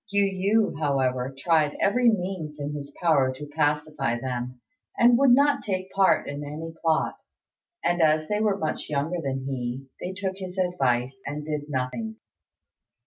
Yu yü, however, tried every means in his power to pacify them, and would not take part in any plot; and, as they were much younger than he, they took his advice, and did nothing.